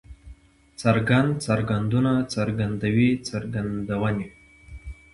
څرګند، څرګندونه، څرګندوی، څرګندونې